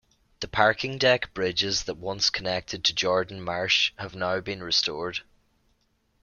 The parking deck bridges that once connected to Jordan Marsh have now been restored.